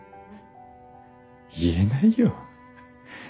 言えないよ。